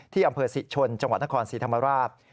ที่อำเภอสิชนจังหวัดนครสิทธมาราช